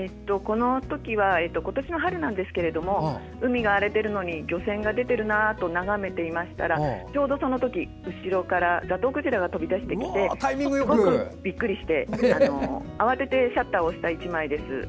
今年の春なんですけど海が荒れてるのに漁船が出てるなと眺めていましたらちょうどその時、後ろからザトウクジラが飛び出してきてびっくりして慌ててシャッターを押した一枚です。